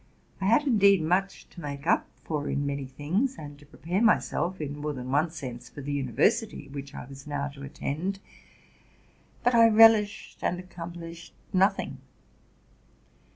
I had, indeed, much to make up for in many things, and to prepare myself, in more than one sense, for the university, which I was now to attend; but I relished and accomplished nothing.